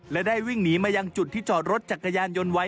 และได้วิ่งหนีมายังจุดที่จอดรถจักรยานยนต์ไว้